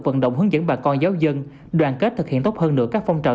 vận động hướng dẫn bà con giáo dân đoàn kết thực hiện tốt hơn nữa các phong trào